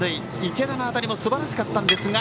池田の当たりもすばらしかったんですが。